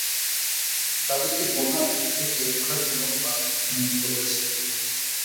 তাদেরকে বন্যার হাত থেকে রক্ষার জন্য বাধ নির্মিত হয়েছে।